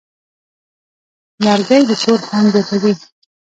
لرګی د کور خوند زیاتوي.